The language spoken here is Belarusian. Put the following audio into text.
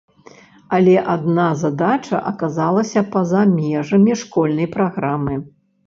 Але адна задача аказалася па-за межамі школьнай праграмы.